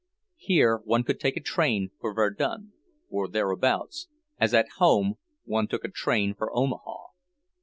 Here one could take a train for Verdun, or thereabouts, as at home one took a train for Omaha.